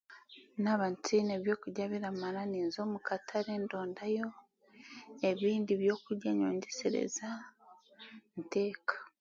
Naaba ntiine by'okurya biraamara ninza omukatale ndonda yo ebindi by'okurya ny'ongesereza nteka.